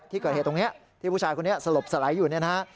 ที่เกิดเหตุตรงนี้ที่ผู้ชายคนนี้สลบสลายอยู่เนี่ยนะฮะ